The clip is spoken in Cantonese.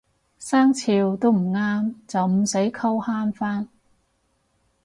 生肖都唔啱就唔使溝慳返